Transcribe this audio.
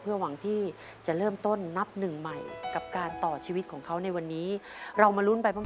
เพื่อหวังที่จะเริ่มต้นนับหนึ่งใหม่